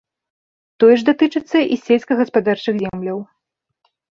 Тое ж датычыцца і сельскагаспадарчых земляў.